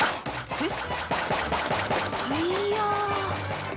えっ！